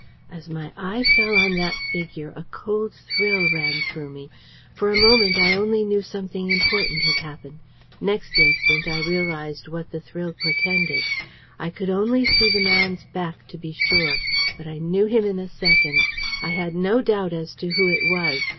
As my eye fell on that figure, a cold thrill ran through me. For a moment I only knew something important had happened. Next instant I realised what the thrill portended. I could only see the man's back, to be sure, but I knew him in a second. I had no doubt as to who it was.